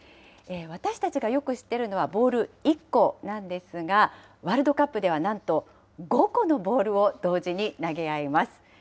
私たちがよく知っているのは、ボール１個なんですが、ワールドカップではなんと５個のボールを同時に投げ合います。